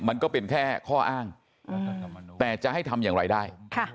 มันก็เป็นแค่ข้ออ้างแต่จะให้ทำอย่างไรได้